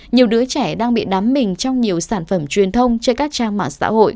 nhiều đứa trẻ đang bị đắm mình trong nhiều sản phẩm truyền thông trên các trang mạng xã hội